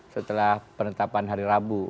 setelah penetapan hari rabu